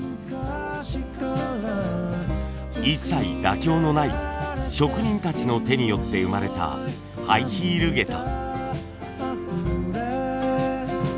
一切妥協のない職人たちの手によって生まれたハイヒール下駄。